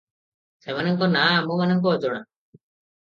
ସେମାନଙ୍କ ନାମ ଆମ୍ଭମାନଙ୍କୁ ଅଜଣା ।